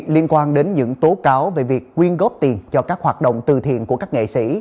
liên quan đến những tố cáo về việc quyên góp tiền cho các hoạt động từ thiện của các nghệ sĩ